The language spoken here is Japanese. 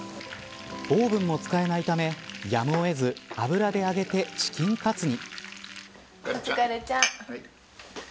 オーブンも使えないためやむを得ず油で揚げてチキンカツに。